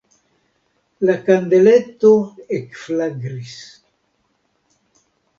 La kandeleto ekflagris.